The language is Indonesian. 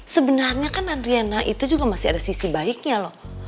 sebenarnya kan adriana itu juga masih ada sisi baiknya loh